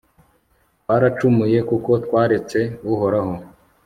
twaracumuye kuko twaretse uhoraho